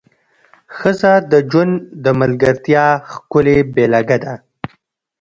ښځه د ژوند د ملګرتیا ښکلې بېلګه ده.